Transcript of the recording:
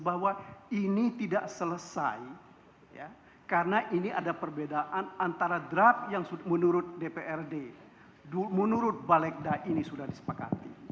bahwa ini tidak selesai karena ini ada perbedaan antara draft yang menurut dprd menurut balegda ini sudah disepakati